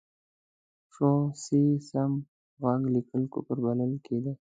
سو، سي، سم، ږغ لیکل کفر بلل کېده.